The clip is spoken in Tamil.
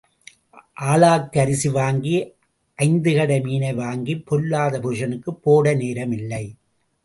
ஆழாக்கு அரிசி வாங்கி ஐந்து கடை மீனை வாங்கிப் பொல்லாத புருஷனுக்குப் போட நேரம் இல்லை.